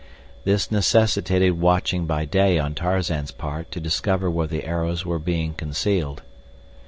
This necessitated watching by day on Tarzan's part to discover where the arrows were being concealed.